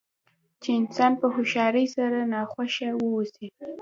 چې انسان په هوښیارۍ سره ناخوښه واوسي.